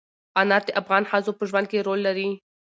انار د افغان ښځو په ژوند کې رول لري.